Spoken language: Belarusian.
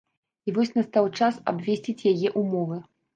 І вось настаў час абвесціць яе ўмовы.